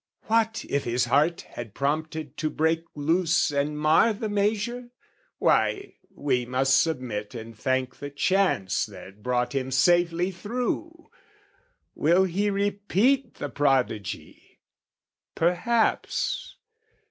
What if his heart had prompted to break loose And mar the measure? Why, we must submit And thank the chance that brought him safely through. Will he repeat the prodigy? Perhaps.